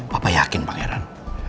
papa yakin pangeran